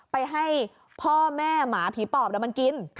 ไปให้พ่อแม่หมาผีปอบมันกิน